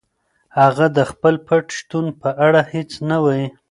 هغه د خپل پټ شتون په اړه هیڅ نه وايي.